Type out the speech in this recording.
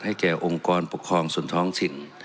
แก่องค์กรปกครองส่วนท้องถิ่น